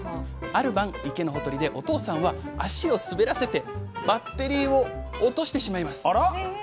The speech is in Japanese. ある晩池のほとりでお父さんは足を滑らせてバッテリーを落としてしまいます。